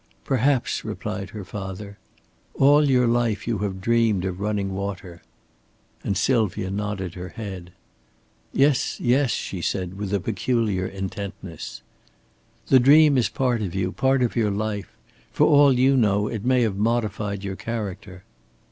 "Perhaps," replied her father. "All your life you have dreamed of running water." And Sylvia nodded her head. "Yes, yes," she said, with a peculiar intentness. "The dream is part of you, part of your life. For all you know, it may have modified your character."